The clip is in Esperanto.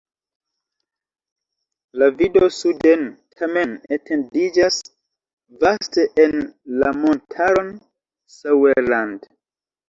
La vido suden tamen etendiĝas vaste en la montaron Sauerland.